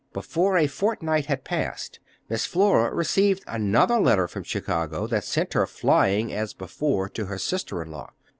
Before a fortnight had passed, Miss Flora received another letter from Chicago that sent her flying as before to her sister in law.